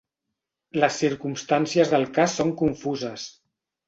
Les circumstàncies del cas són confuses.